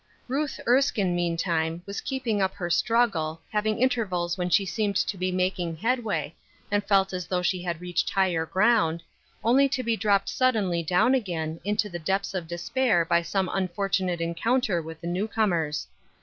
!UTH Erskine, meantime, was keeping up her struggle, having intervals when she seemed to be making headway, and felt as though she had reached higher ground, only to be dropped suddenly down again, into the depths of despair by some unfortunate encounter with the new comers.